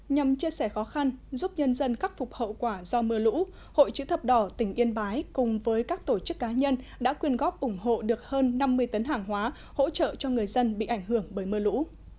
nhằm chia sẻ khó khăn giúp nhân dân khắc phục hậu quả do mưa lũ hội chữ thập đỏ tỉnh yên bái cùng với các tổ chức cá nhân đã quyên góp ủng hộ được hơn năm mươi tấn hàng hóa hỗ trợ cho người dân bị ảnh hưởng bởi mưa lũ